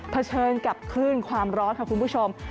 เฉินกับคลื่นความร้อนค่ะคุณผู้ชม